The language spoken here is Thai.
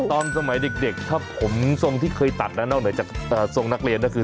ตอนสมัยเด็กถ้าผมทรงที่เคยตัดนะนอกเหนือจากทรงนักเรียนก็คือ